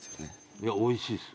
いやおいしいです